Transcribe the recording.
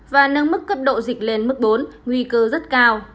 và nâng mức cấp độ dịch lên mức bốn nguy cơ rất cao